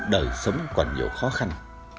đời sống còn nhiều khó khăn